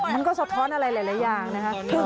มันก็สะท้อนอะไรหลายอย่างนะครับ